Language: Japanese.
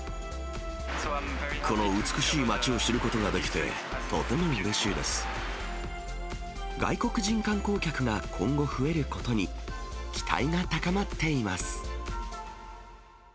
この美しい街を知ることがで外国人観光客が今後増えることに、期待が高まっています。